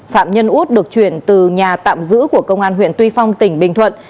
phạm nhân út được chuyển từ nhà tạm giữ của công an huyện tuy phong tỉnh bình thuận